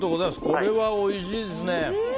これはおいしいですね。